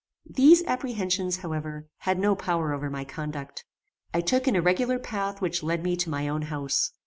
These apprehensions, however, had no power over my conduct. I took an irregular path which led me to my own house.